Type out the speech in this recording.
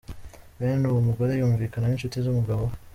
Bene uwo mugore yumvikana n’inshuti z’umugabo we.